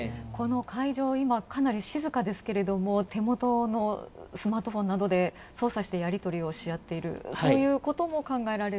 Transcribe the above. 会場、かなり静かですけども手元のスマートフォンなどで操作してやり取りをしあっているそういうことも考えられる。